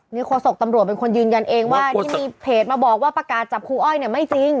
นี่โฆษกตำรวจเป็นคนยืนยันเองว่าที่มีเพจมาบอกว่าประกาศจับครูอ้อยเนี่ยไม่จริง